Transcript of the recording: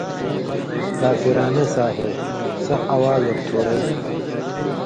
”کافرانہ سا ہے ۔۔۔۔۔۔۔سخ اواز اوک تُھو ویے“